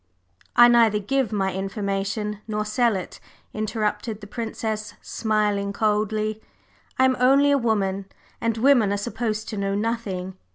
…" "I neither give my information nor sell it," interrupted the Princess, smiling coldly. "I am only a woman and women are supposed to know nothing.